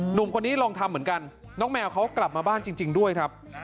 หนุ่มคนนี้ลองทำเหมือนกันน้องแมวเขากลับมาบ้านจริงด้วยครับ